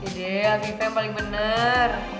gede aviva yang paling bener